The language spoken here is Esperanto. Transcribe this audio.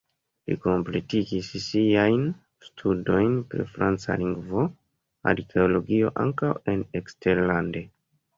Li kompletigis siajn studojn pri franca lingvo, arkeologio ankaŭ en eksterlande.